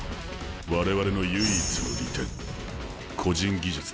我々の唯一の利点個人技術だ。